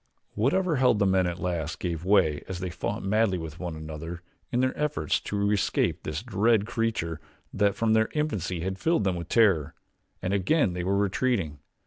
Whatever held the men at last gave way as they fought madly with one another in their efforts to escape this dread creature that from their infancy had filled them with terror, and again they were retreating.